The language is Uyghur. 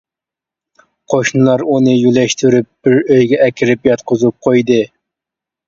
قوشنىلار ئۇنى يۆلەشتۈرۈپ بىر ئۆيگە ئەكىرىپ ياتقۇزۇپ قويدى.